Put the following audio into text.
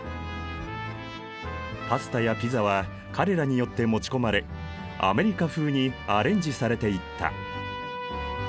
パスタやピザは彼らによって持ち込まれアメリカ風にアレンジされていった。